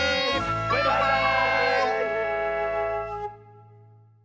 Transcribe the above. バイバーイ！